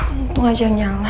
untung aja nyala